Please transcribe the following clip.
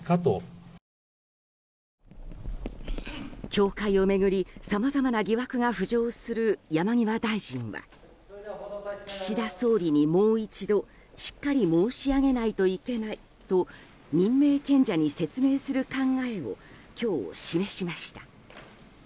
教会を巡り、さまざまな疑惑が浮上する山際大臣は岸田総理にもう一度しっかり申し上げないといけないと任命権者に説明する考えを今日、示しました。